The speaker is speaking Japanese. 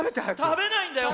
たべないんだよ